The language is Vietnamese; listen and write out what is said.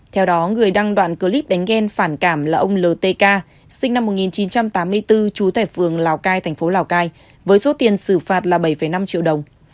theo đó người đăng đoạn clip đánh gen phản cảm là ông ltk sinh năm một nghìn chín trăm tám mươi bốn trú tại phường lào cai thành phố lào cai với số tiền xử phạt là bảy năm triệu đồng